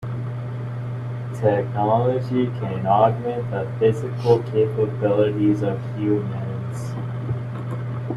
Technology can augment the physical capabilities of humans.